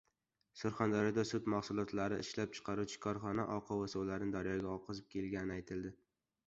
Surxondaryoda sut mahsulotlari ishlab chiqaruvchi korxona oqova suvlarini daryoga oqizib kelgani aytildi